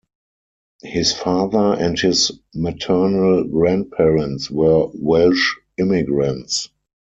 His father and his maternal grandparents were Welsh immigrants.